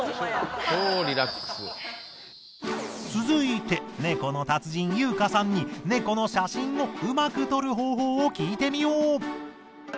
続いてネコの達人優花さんにネコの写真をうまく撮る方法を聞いてみよう！